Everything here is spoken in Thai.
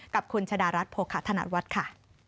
กับคุณชะดารัฐโภคธนัดวัดค่ะ